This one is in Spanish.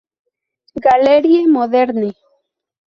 Galerie Moderne.